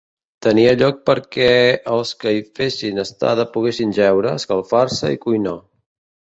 Tenia lloc perquè els que hi fessin estada poguessin jeure, escalfar-se i cuinar.